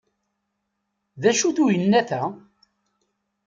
D acu-t uyennat-a?